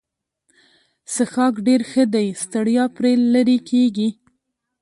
څښاک ډېر ښه دی ستړیا پرې لیرې کیږي.